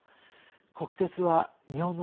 国鉄は日本の